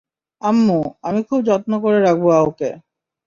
আম্মু, আমি খুব যত্ন করে রাখবো ওকে।